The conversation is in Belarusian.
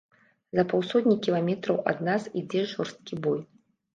За паўсотні кіламетраў ад нас ідзе жорсткі бой.